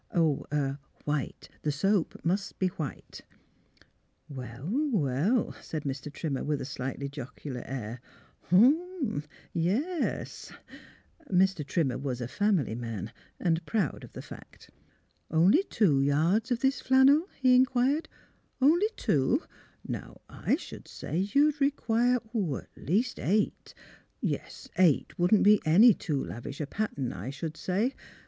'' Er — white. The soap must be white." *' Well, well !'' said Mr. Trimmer, with a slightly jocular air. *' Hum — yes, yes! " 310 THE HEART OF PHILUEA Mr. Trimmer was a family man, and proud of the fact. " Only tivo yards of this flannel? " he inquired. '' Only two ? Now I should say you would require at least eight. Yes; eight wouldn't be any too lavish a pattern, I should say.